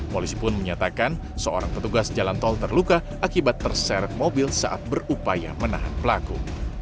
polisi pun menyatakan seorang petugas jalan tol terluka akibat terseret mobil saat berupaya menahan pelaku